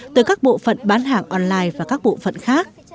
tới các bộ phận bán hàng online và các bộ phận khác